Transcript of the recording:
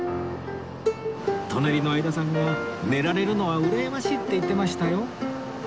隣の相田さんが「寝られるのはうらやましい」って言ってましたよ